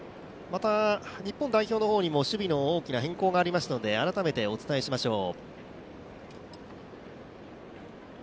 また日本代表の方にも、守備に大きな変更がありますので改めてお伝えしましょう。